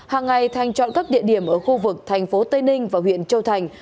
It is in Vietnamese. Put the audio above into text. hôm nay thành chọn các địa điểm ở khu vực thành phố tây ninh và huyện châu thành